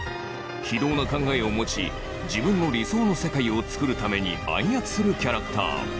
非道な考えを持ち自分の理想の世界を作るために暗躍するキャラクター